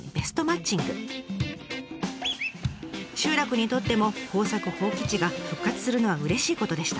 集落にとっても耕作放棄地が復活するのはうれしいことでした。